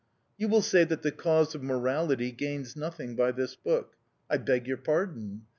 You will say that the cause of morality gains nothing by this book. I beg your pardon.